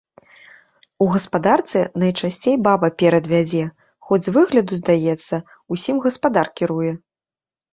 У гаспадарцы найчасцей баба перад вядзе, хоць з выгляду здаецца, усім гаспадар кіруе.